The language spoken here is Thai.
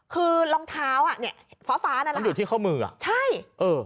คือรองเท้าอ่ะเนี่ยฟ้าฟ้านั้นมันอยู่ที่ข้อมืออ่ะใช่เออ